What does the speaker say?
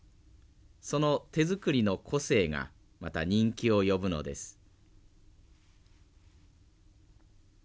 その手作りの個性がまた人気を呼ぶのです。